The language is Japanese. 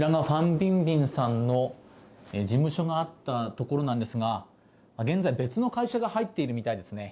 ・ビンビンさんの事務所があったところなんですが現在、別の会社が入っているみたいですね。